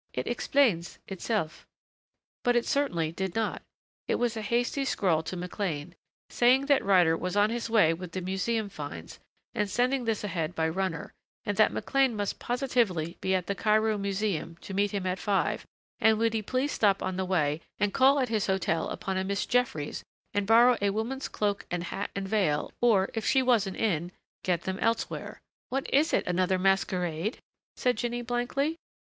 "It explains itself." But it certainly did not. It was a hasty scrawl to McLean, saying that Ryder was on his way with the museum finds and sending this ahead by runner, and that McLean must positively be at the Cairo Museum to meet him at five and would he please stop on the way and call at his hotel upon a Miss Jeffries and borrow a woman's cloak and hat and veil, or if she wasn't in, get them elsewhere. "What is it another masquerade?" said Jinny blankly.